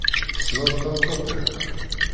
Tessneḍ tameṭṭut-iw?